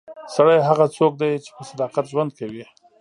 سړی هغه څوک دی چې په صداقت ژوند کوي.